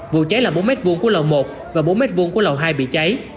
vụ cháy là bốn m hai của lầu một và bốn m hai của lầu hai bị cháy